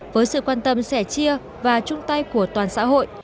với sự quan tâm sẻ chia và chung tay của toàn xã hội